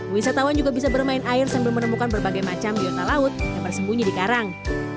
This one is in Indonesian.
wisatawan juga bisa bermain air sambil menemukan berbagai macam biota laut yang bersembunyi di karang